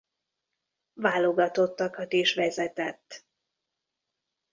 Válogatottakat is vezetett.